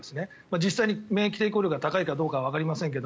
実際に免疫抵抗力が高いかどうかはわかりませんが。